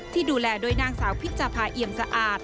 ที่ดูแลโดยนางสาวพิชภาเอี่ยมสะอาด